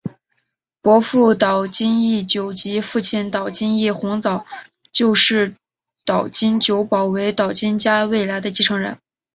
伯父岛津义久及父亲岛津义弘早就视岛津久保为岛津家未来的继承人。